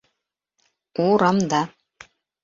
Урамда